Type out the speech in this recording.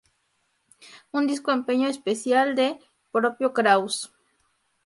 Un disco empeño especial del propio Kraus.